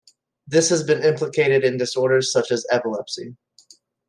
This has been implicated in disorders such as epilepsy.